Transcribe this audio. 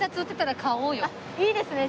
いいですね。